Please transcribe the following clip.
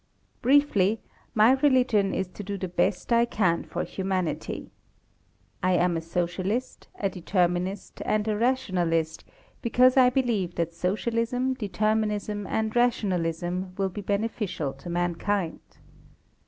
Briefly, my religion is to do the best I can for humanity. I am a Socialist, a Determinist, and a Rationalist because I believe that Socialism, Determinism, and Rationalism will be beneficial to mankind.